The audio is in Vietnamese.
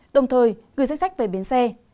đồng thời gửi danh sách về biến xe